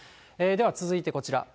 では続いてこちら。